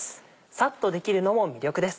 サッとできるのも魅力です。